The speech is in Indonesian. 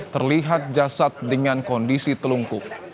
terlihat jasad dengan kondisi telungkuk